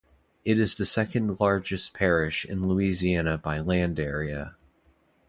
It is the second-largest parish in Louisiana by land area.